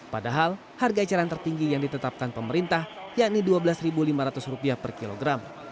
padahal harga eceran tertinggi yang ditetapkan pemerintah yakni rp dua belas lima ratus per kilogram